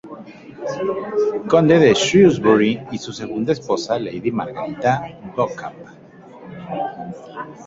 Conde de Shrewsbury y su segunda esposa, lady Margarita Beauchamp.